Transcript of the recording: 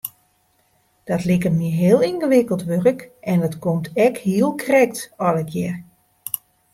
Dat liket my heel yngewikkeld wurk en dat komt ek hiel krekt allegear.